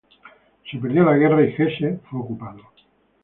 Se perdió la guerra, y Hesse fue ocupado.